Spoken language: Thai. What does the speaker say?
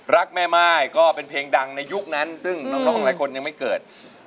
แม่ม่ายก็เป็นเพลงดังในยุคนั้นซึ่งน้องของหลายคนยังไม่เกิด